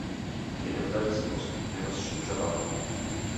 Během let se postupně rozšiřovala.